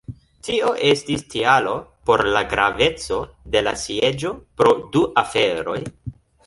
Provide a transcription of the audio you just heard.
Tio estis tialo por la graveco de la sieĝo pro du aferoj.